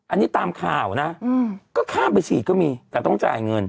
อันนี้ตามข่าวนะก็ข้ามไปฉีดก็มีแต่ต้องจ่ายเงิน